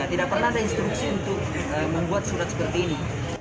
tidak pernah ada instruksi untuk membuat surat seperti ini